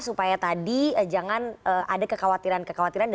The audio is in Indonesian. supaya tadi jangan ada kekhawatiran kekhawatiran